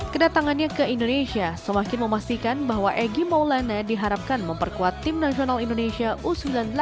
kedatangannya ke indonesia semakin memastikan bahwa egy maulana diharapkan memperkuat tim nasional indonesia u sembilan belas